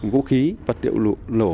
vũ khí vật liệu lỗ